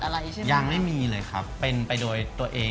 นายหนูไม่เกียว